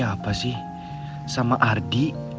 gedein sama ardi